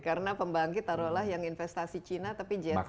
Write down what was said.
karena pembangkit taruh lah yang investasi cina tapi jet final